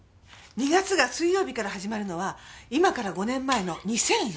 ２月が水曜日から始まるのは今から５年前の２００６年。